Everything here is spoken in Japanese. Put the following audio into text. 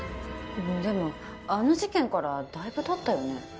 でもあの事件からだいぶ経ったよね。